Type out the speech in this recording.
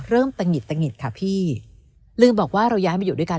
ตะหิดตะหิดค่ะพี่ลืมบอกว่าเราย้ายมาอยู่ด้วยกัน